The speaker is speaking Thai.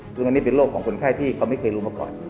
ซึ่งอันนี้เป็นโรคของคนไข้ที่เขาไม่เคยรู้มาก่อน